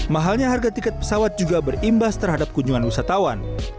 mahalnya harga tiket pesawat juga berimbas terhadap kunjungan wisatawan